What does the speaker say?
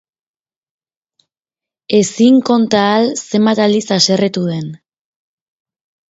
Ezin konta ahal zenbat aldiz haserretu den.